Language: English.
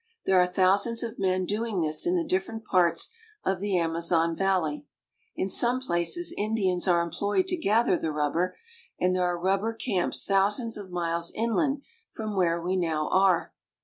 There are thousands of men doing this in the different parts of the Amazon valley. In some places Indians are employed to gather the rubber, and there are rubber camps thousands of miles inland from where we now are.